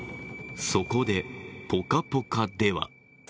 そこで、「ぽかぽか」では。